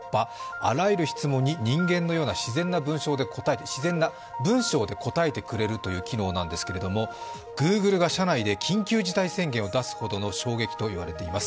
あらゆる質問に人間のような自然な文章で答えてくれるという機能なんですけれども、Ｇｏｏｇｌｅが社内で緊急事態宣言を出すほどの衝撃と言われています。